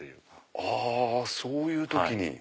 あそういう時に。